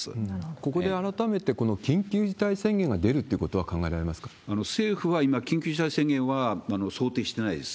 ここで改めて緊急事態宣言が出るということは考えられますか政府は今、緊急事態宣言は想定してないです。